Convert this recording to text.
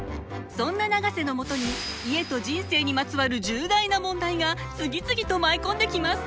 そんな永瀬のもとに家と人生にまつわる重大な問題が次々と舞い込んできます。